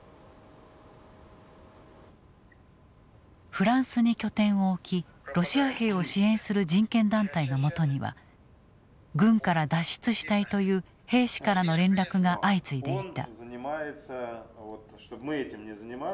フランスに拠点を置きロシア兵を支援する人権団体のもとには軍から脱出したいという兵士からの連絡が相次いでいた。